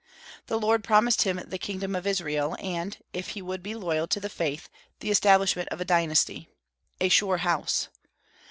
The Lord promised him the kingdom of Israel, and (if he would be loyal to the faith) the establishment of a dynasty, "a sure house."